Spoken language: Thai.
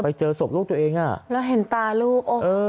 ไปเจอศพลูกตัวเองอ่ะแล้วเห็นตาลูก